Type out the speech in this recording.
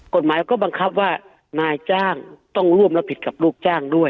กฎหมายก็บังคับว่านายจ้างต้องร่วมรับผิดกับลูกจ้างด้วย